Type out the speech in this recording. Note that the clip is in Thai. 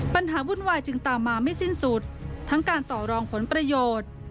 วุ่นวายจึงตามมาไม่สิ้นสุดทั้งการต่อรองผลประโยชน์